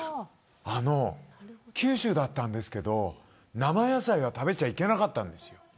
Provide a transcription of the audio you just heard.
九州だったんですけど生野菜は食べちゃいけなかったんです。